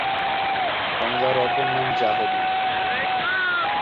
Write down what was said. গঙ্গার অপর নাম জাহ্নবী।